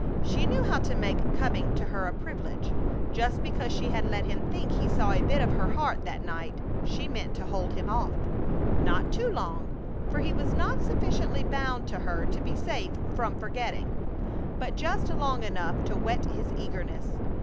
She knew how to make coming to her a privilege. Just because she had let him think he saw a bit of her heart that night, she meant to hold him off. Not too long, for he was not sufficiently bound to her to be safe from forgetting, but just long enough to whet his eagerness.